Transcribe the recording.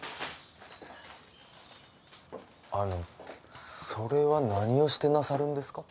あのそれは何をしてなさるんですか？